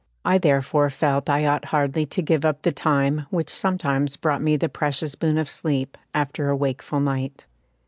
I therefore felt I ought hardly to give up the time which sometimes brought me the precious boon of sleep after a wakeful night.